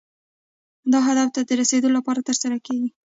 دا هدف ته د رسیدو لپاره ترسره کیږي.